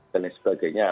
dan lain sebagainya